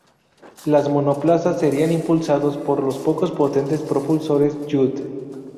Los monoplazas serían impulsados por los poco potentes propulsores Judd.